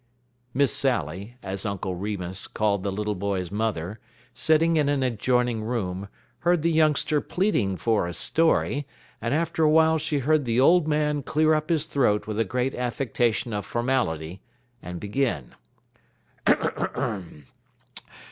"Miss Sally," as Uncle Remus called the little boy's mother, sitting in an adjoining room, heard the youngster pleading for a story, and after a while she heard the old man clear up his throat with a great affectation of formality and begin.